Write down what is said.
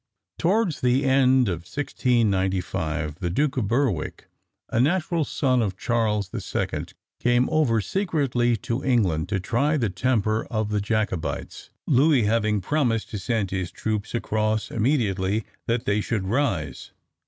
Towards the end of 1695, the Duke of Berwick, a natural son of Charles the Second, came over secretly to England to try the temper of the Jacobites, Louis having promised to send his troops across immediately that they should rise.